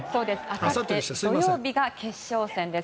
あさって土曜日が決勝戦です。